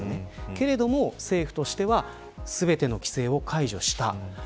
けれども政府としては全ての規制を解除した。